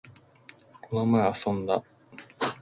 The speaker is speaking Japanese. この前、遊んだ